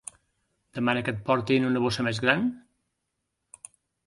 Demana que et portin una bossa més gran?